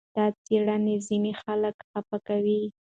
دا څېړنې ځینې خلک خپه کوي.